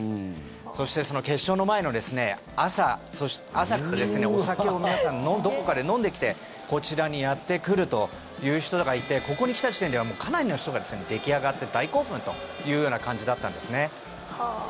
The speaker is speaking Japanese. そして、その決勝の前の朝からお酒を皆さんどこかで飲んできてこちらにやってくるという人がいてここに来た時点ではかなりの人が出来上がって大興奮というような感じだったんですね。